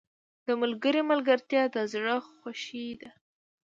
• د ملګري ملګرتیا د زړه خوښي ده.